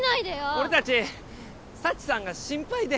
俺たち佐知さんが心配で。